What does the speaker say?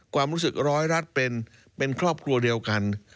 ความรู้สึกร้อยรัฐเป็นครอบครัวเดียวกัน